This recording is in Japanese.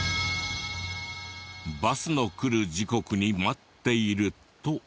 バスの来る時刻に待っていると。